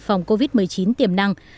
phòng covid một mươi chín tiềm năng